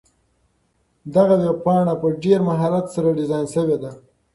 دغه ویبپاڼه په ډېر مهارت سره ډیزاین شوې ده.